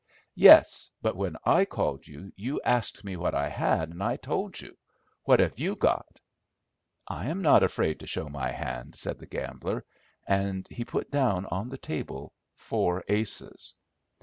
"Yes; but when I called you, you asked me what I had, and I told you. What have you got?" "I am not afraid to show my hand," said the gambler, and he put down on the table four aces.